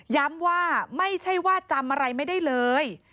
ว่าไม่ใช่ว่าจำอะไรไม่ได้เลย